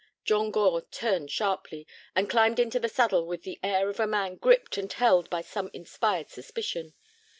John Gore turned sharply, and climbed into the saddle with the air of a man gripped and held by some inspired suspicion.